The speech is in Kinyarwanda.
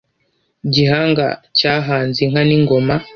“Gihanga cyahanze inka n’ingoma”